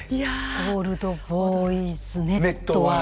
オールド・ボーイズ・ネットワーク。